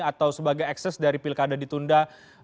atau sebagai ekses dari pilkada ditunda